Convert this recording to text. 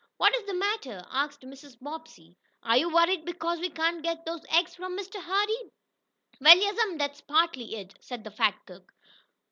"What is the matter?" asked Mrs. Bobbsey. "Are you worried because we can't get those eggs from Mr. Hardee?" "Well, yessum, dat's partly it," said the fat cook.